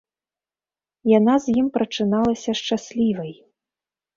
Яна з ім прачыналася шчаслівай.